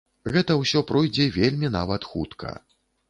Гэта ўсё пройдзе вельмі нават хутка.